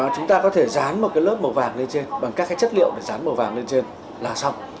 chúng ta có thể dán một cái lớp màu vàng lên trên bằng các cái chất liệu để dán màu vàng lên trên là xong